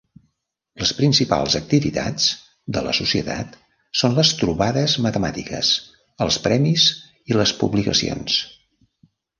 Les principals activitats de la Societat són les trobades matemàtiques, els premis i les publicacions.